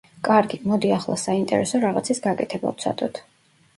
კარგი, მოდი ახლა საინტერესო რაღაცის გაკეთება ვცადოთ.